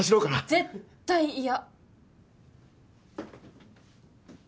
絶対嫌！